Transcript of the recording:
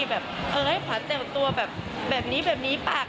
แบบให้ผัดเต็มตัวแบบนี้ปาก